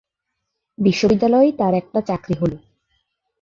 বিশ্ববিদ্যালয়েই তাঁর একটা চাকরি হল।